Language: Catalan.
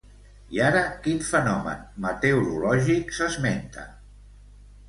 I ara quin fenomen meteorològic s'esmenta?